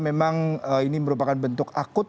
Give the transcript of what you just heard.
memang ini merupakan bentuk akut